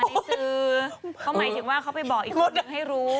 ถึงว่าเขาไปบอกอีกสิ่งหนึ่งให้รู้